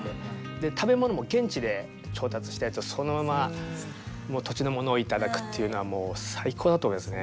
で食べ物も現地で調達したやつをそのままもう土地のものを頂くっていうのはもう最高だと思いますね。